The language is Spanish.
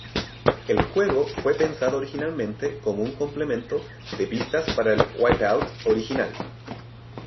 El juego fue pensado originalmente como un complemento de pistas para el "Wipeout" original.